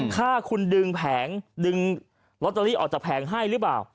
ถ้าคุณดึงแผงดึงลอตเตอรี่ออกจากแผงให้หรือเปล่า